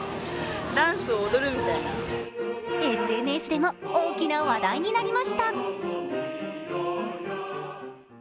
ＳＮＳでも大きな話題になりました